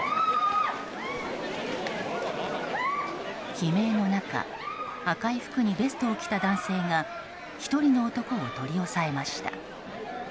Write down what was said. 悲鳴の中赤い服にベストを着た男性が１人の男を取り押さえました。